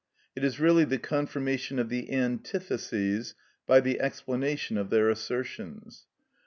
It is really the confirmation of the antitheses by the explanation of their assertions.